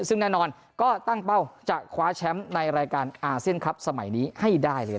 ซึ่งแน่นอนก็ตั้งเป้าจะคว้าแชมป์ในรายการอาเซียนคลับสมัยนี้ให้ได้เลย